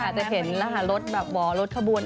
อาจจะเห็นรถวอร์รถขบูน